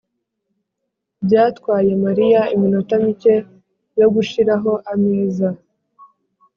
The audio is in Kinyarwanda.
byatwaye mariya iminota mike yo gushiraho ameza.